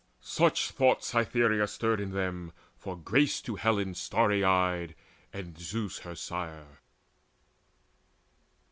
Such thoughts Cytherea stirred in them, for grace To Helen starry eyed, and Zeus her sire.